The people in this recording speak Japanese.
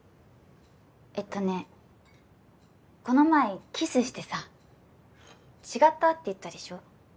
えっとねこの前キスしてさ「違った」って言ったでしょ？